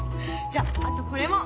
じゃあとこれも。